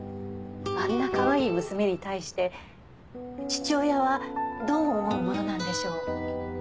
あんなかわいい娘に対して父親はどう思うものなんでしょう？